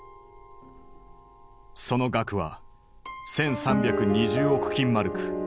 その額は１，３２０億金マルク。